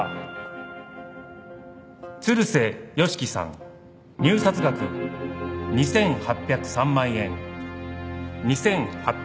鶴瀬良樹さん入札額２８０３万円２８０３万円。